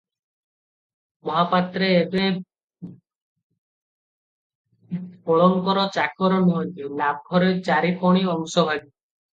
ମହାପାତ୍ରେ ଏବେ ବଳଙ୍କର ଚାକର ନୁହନ୍ତି, ଲାଭରେ ଚାରିପଣି ଅଂଶଭାଗୀ ।